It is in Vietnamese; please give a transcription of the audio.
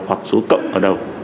hoặc số cộng ở đầu